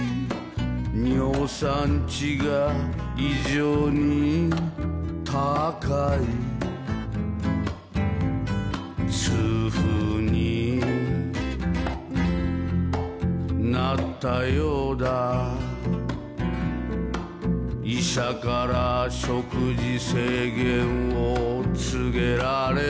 「尿酸値が異常に高い」「痛風になったようだ」「医者から食事制限を告げられるでも」